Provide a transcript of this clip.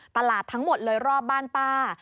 ตลาดทั้งหมดเลยรอบบ้านป้า